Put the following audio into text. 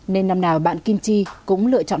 nên năm nào bạn kim chi cũng lựa chọn